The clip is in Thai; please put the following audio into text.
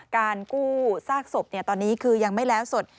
การกู้ซากศพตอนนี้คือยังไม่แล้วสด